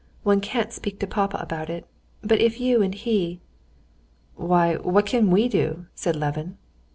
One can't speak to papa about it.... But if you and he...." "Why, what can we do?" said Levin.